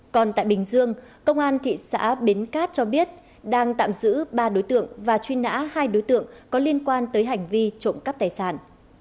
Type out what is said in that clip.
còn tại bình dương công an thị xã bến cát cho biết đang tạm giữ ba đối tượng và truy nã hai đối tượng có liên quan tới hành vi trộm cắp tài sản